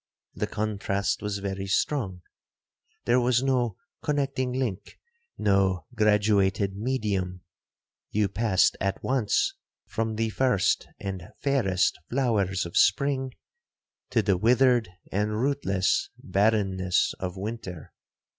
The contrast was very strong; there was no connecting link, no graduated medium,—you passed at once from the first and fairest flowers of spring, to the withered and rootless barrenness of winter.